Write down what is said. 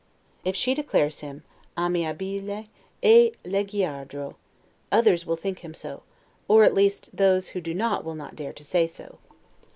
If she declares him 'amabile e leggiadro', others will think him so, or at least those who do not will not dare to say so.